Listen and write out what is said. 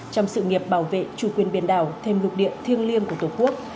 trong sự nghiệp bảo vệ chủ quyền biển đảo thêm lục địa thiêng liêng của tổ quốc